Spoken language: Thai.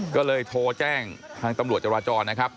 ก็เลยโทรแจ้งทางตำรวจจราจรนะครับ